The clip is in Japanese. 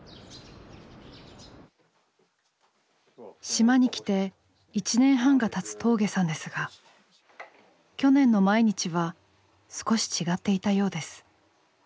島に来て１年半がたつ峠さんですが去年の毎日は少し違っていたようです。